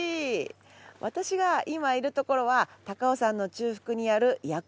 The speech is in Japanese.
私が今いる所は高尾山の中腹にある薬王院。